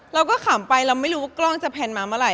ขำไปเราไม่รู้ว่ากล้องจะแพลนมาเมื่อไห